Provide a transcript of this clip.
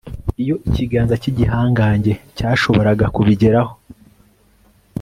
iyo ikiganza cy'igihangange cyashoboraga kubigeraho